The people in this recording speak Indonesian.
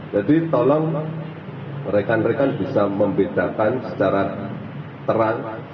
jadi tolong rekan rekan bisa membedakan secara terang